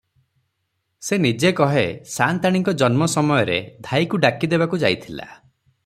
ସେ ନିଜେ କହେ ସାଆନ୍ତାଣୀଙ୍କ ଜନ୍ମସମୟରେ ଧାଈକୁ ଡାକିଦେବାକୁ ଯାଇଥିଲା ।